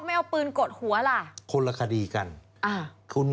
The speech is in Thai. ไม่เอาปืนกดหัวล่ะคนละคดีกันอ่าคุณ